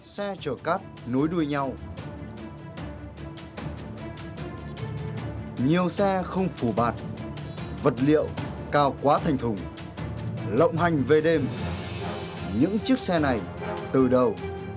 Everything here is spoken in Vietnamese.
xe chở cát nối đuôi nhau nhiều xe không phủ bạt vật liệu cao quá thành thùng lộng hành về đêm những chiếc xe này từ đầu